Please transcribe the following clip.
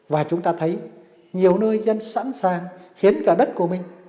và chúng ta thấy nhiều nơi dân sẵn sàng khiến cả đất của mình